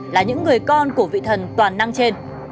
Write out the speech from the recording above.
là những người con của vị thần toàn năng trên